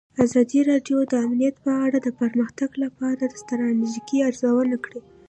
ازادي راډیو د امنیت په اړه د پرمختګ لپاره د ستراتیژۍ ارزونه کړې.